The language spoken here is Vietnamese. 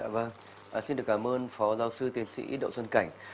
vâng xin được cảm ơn phó giáo sư tiến sĩ đỗ xuân cảnh